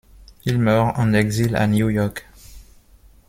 Il meurt en exil à New York.